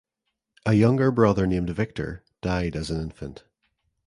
A younger brother named Victor died as an infant.